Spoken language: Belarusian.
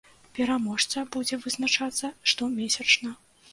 Пераможца будзе вызначацца штомесячна.